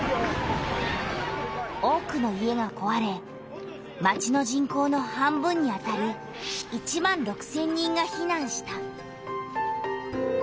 多くの家がこわれ町の人口の半分にあたる１万６千人がひなんした。